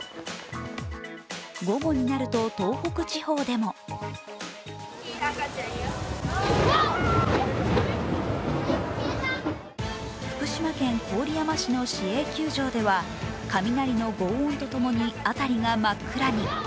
午後になると東北地方でも福島県郡山市の市営球場では雷のごう音とともに辺りが真っ暗に。